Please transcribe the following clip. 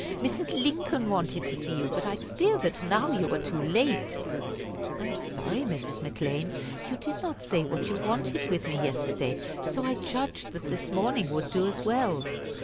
Mrs. Lincoln wanted to see you, but I fear that now you are too late." "I am sorry, Mrs. McClean. You did not say what you wanted with me yesterday, so I judged that this morning would do as well."